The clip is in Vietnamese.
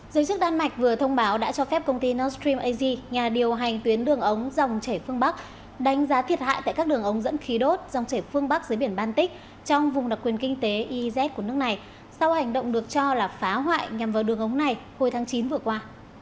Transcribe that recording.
giới chức đan mạch vừa thông báo đã cho phép công ty naustream asia nhà điều hành tuyến đường ống dòng chảy phương bắc đánh giá thiệt hại tại các đường ống dẫn khí đốt dòng chảy phương bắc dưới biển baltic trong vùng đặc quyền kinh tế iz của nước này sau hành động được cho là phá hoại nhằm vào đường ống này hồi tháng chín vừa qua